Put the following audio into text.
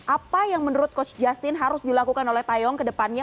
apa yang menurut coach justin harus dilakukan oleh tayong ke depannya